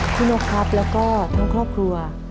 นกครับแล้วก็ทั้งครอบครัว